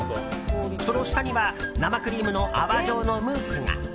その下には生クリームの泡状のムースが。